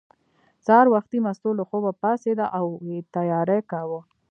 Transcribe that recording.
سهار وختي مستو له خوبه پاڅېده او یې تیاری کاوه.